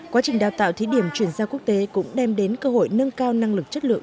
quá trình đào tạo thí điểm chuyển giao quốc tế cũng đem đến cơ hội nâng cao năng lực chất lượng